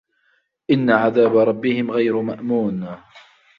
إِنَّ عَذابَ رَبِّهِم غَيرُ مَأمونٍ